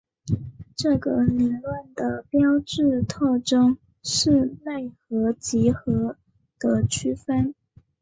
这个理论的标志特征是类和集合的区分。